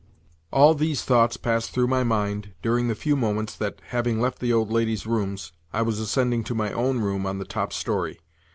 All these thoughts passed through my mind during the few moments that, having left the old lady's rooms, I was ascending to my own room on the top storey.